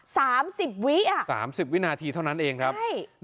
สามสิบวิอ่ะสามสิบวินาทีเท่านั้นเองครับใช่